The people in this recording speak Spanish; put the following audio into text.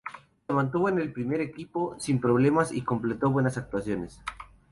Se mantuvo en el primer equipo sin problemas, y completó buenas actuaciones.